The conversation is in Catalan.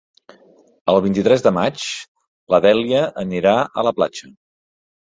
El vint-i-tres de maig na Dèlia anirà a la platja.